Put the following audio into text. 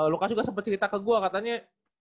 luka juga sempet cerita ke gue katanya